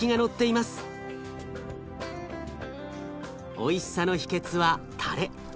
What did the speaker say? おいしさの秘けつはたれ。